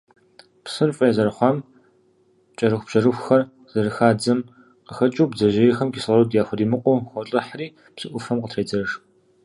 Псыр фӀей зэрыхъуам, кӀэрыхубжьэрыхухэр зэрыхадзэм къыхэкӀыу, бдзэжьейхэм кислород яхуримыкъуу холӀыхьри, псы Ӏуфэм къытредзэж.